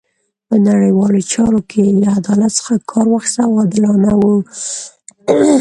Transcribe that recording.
په نړیوالو چارو کې یې له عدالت څخه کار اخیست او عادلانه وو.